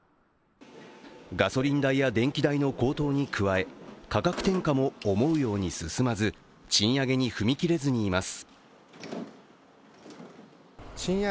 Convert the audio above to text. ガソリン代や電気代の高騰に加え価格転嫁も思うように進まず、賃上げに踏み切れずにいます。